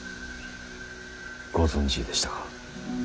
ご存じでしたか。